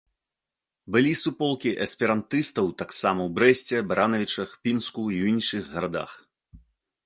Былі суполкі эсперантыстаў таксама ў Брэсце, Баранавічах, Пінску і ў іншых гарадах